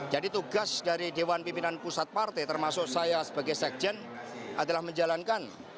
jadi tugas dari dewan pimpinan pusat partai termasuk saya sebagai sekjen adalah menjalankan